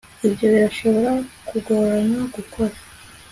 ibyo birashobora kugorana gukora